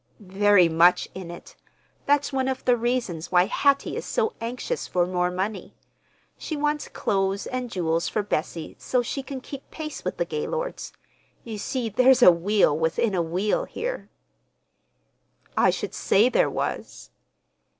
"Very much in it. That's one of the reasons why Hattie is so anxious for more money. She wants clothes and jewels for Bessie so she can keep pace with the Gaylords. You see there's a wheel within a wheel here." "I should say there was!"